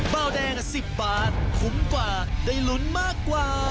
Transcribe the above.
บ้าวแดงสิบบาทขุมกว่าได้หลุนมากกว่า